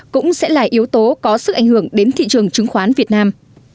cũng sẽ là yếu tố có sức ảnh hưởng đến thị trường chứng khoán việt nam